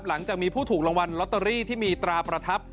หลังจากมีผู้ถูกรางวัลลอตเตอรี่ที่มีตราประทับ